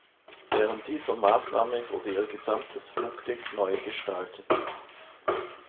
Während dieser Maßnahme wurde ihr gesamtes Flugdeck neu gestaltet.